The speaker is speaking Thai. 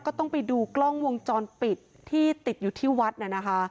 ก็ต้องไปดูกล้องวงจรฤที่ติดอยู่ที่วัฒน์